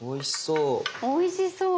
おいしそう。